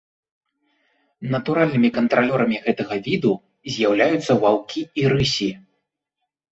Натуральнымі кантралёрамі гэтага віду з'яўляюцца ваўкі і рысі.